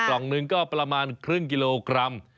กล่องหนึ่งก็ประมาณครึ่งกิโลกรัม